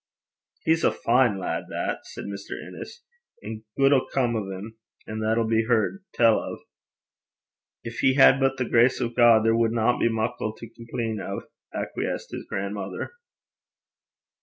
'He's a fine lad, that!' said Mr. Innes; 'an' guid 'll come o' 'm, and that 'll be heard tell o'.' 'Gin he had but the grace o' God, there wadna be muckle to compleen o',' acquiesced his grandmother.